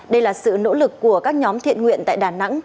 đây là sự nỗ lực của các nhóm thiện nguyện tại đà nẵng